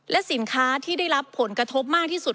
และสินค้าที่ได้รับผลกระทบมากที่สุด